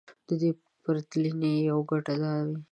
د دې پرتلنې يوه ګټه دا وي.